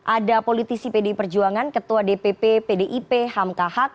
ada politisi pdi perjuangan ketua dpp pdip hamka haq